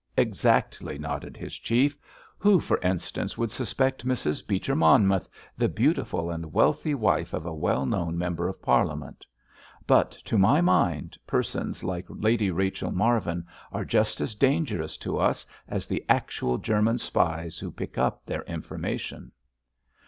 "Exactly," nodded his chief. "Who, for instance, would suspect Mrs. Beecher Monmouth, the beautiful and wealthy wife of a well known member of Parliament? But, to my mind, persons like Lady Rachel Marvin are just as dangerous to us as the actual German spies who pick up their information."